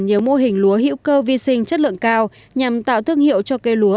nhiều mô hình lúa hữu cơ vi sinh chất lượng cao nhằm tạo thương hiệu cho cây lúa